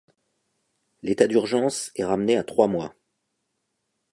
L'état d'urgence est ramené à trois mois.